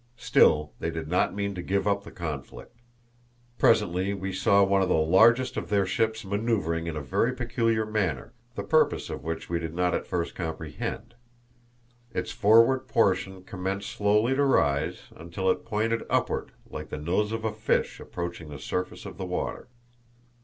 Still they did not mean to give up the conflict. Presently we saw one of the largest of their ships manoeuvring in a very peculiar manner, the purpose of which we did not at first comprehend. Its forward portion commenced slowly to rise, until it pointed upward like the nose of a fish approaching the surface of the water.